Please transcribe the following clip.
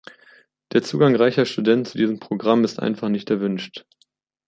Der Zugang reicher Studenten zu diesen Programmen ist einfach nicht erwünscht.